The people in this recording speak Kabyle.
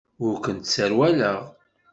Ur kent-sserwaleɣ.